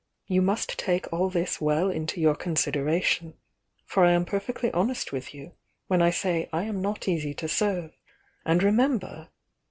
You must take all this well into your consid eration, for I aiii perfectly honest with you when I say I am not easy to serve. And remember!"